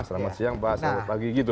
selamat siang pak selamat pagi gitu